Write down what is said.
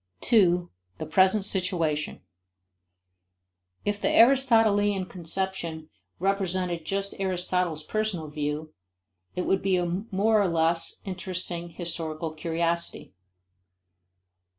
2. The Present Situation. If the Aristotelian conception represented just Aristotle's personal view, it would be a more or less interesting historical curiosity.